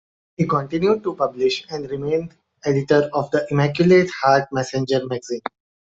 He continued to publish and remained editor of the Immaculate Heart Messenger Magazine.